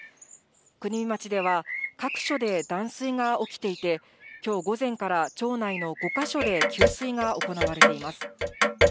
国見町では、各所で断水が起きていて、きょう午前から町内の５か所で給水が行われています。